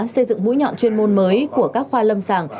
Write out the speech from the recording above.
xây dựng mũi nhọn chuyên môn mới của các khoa lâm sàng